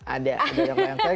ada ada yang bayang